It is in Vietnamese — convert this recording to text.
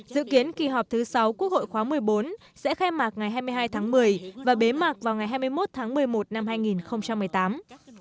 dự kiến kỳ họp thứ sáu quốc hội khóa một mươi bốn sẽ khai mạc ngày hai mươi hai tháng một mươi và bế mạc vào ngày hai mươi một tháng một mươi một năm hai nghìn một mươi tám